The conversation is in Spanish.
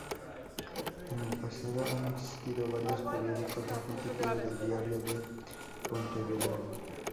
En el pasado han existido varios periódicos bajo el título de "Diario de Pontevedra".